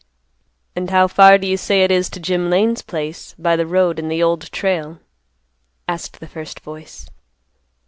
"And how far do you say it is to Jim Lane's place, by the road and the Old Trail?" asked the first voice.